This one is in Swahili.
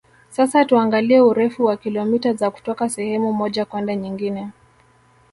Sasa tuangalie urefu wa kilomita za kutoka sehemu moja kwenda nyingine